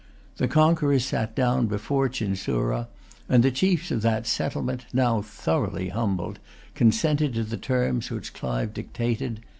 The conquerors sat down before Chinsurah; and the chiefs of that settlement, now thoroughly humbled, consented to the terms which Clive dictated.